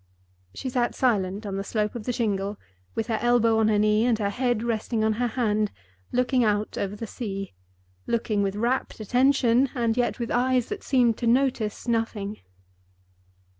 She sat silent on the slope of the shingle, with her elbow on her knee, and her head resting on her hand, looking out over the sea—looking with rapt attention, and yet with eyes that seemed to notice nothing.